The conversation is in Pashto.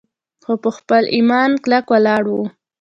خو پۀ خپل ايمان کلک ولاړ وو